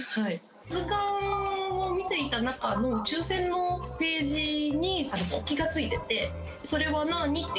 図鑑を見ていた中の宇宙船のページに国旗がついてて、これは何って？